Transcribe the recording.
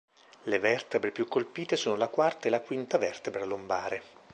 Le vertebre più colpite sono la quarta e la quinta vertebra lombare.